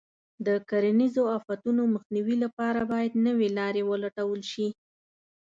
د کرنیزو آفتونو مخنیوي لپاره باید نوې لارې ولټول شي.